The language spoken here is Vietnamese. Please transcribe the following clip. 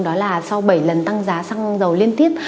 đó là sau bảy lần tăng giá xăng dầu liên tiếp